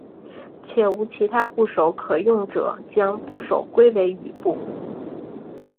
且无其他部首可用者将部首归为羽部。